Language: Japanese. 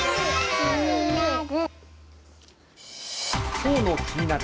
きょうのキニナル！